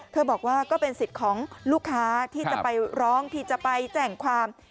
บอกว่าก็เป็นสิทธิ์ของลูกค้าที่จะไปร้องที่จะไปแจ้งความ